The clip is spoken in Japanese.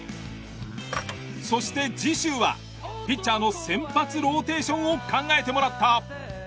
そして次週はピッチャーの先発ローテーションを考えてもらった。